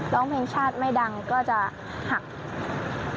รองเพชรไม่ดังก็จะหัก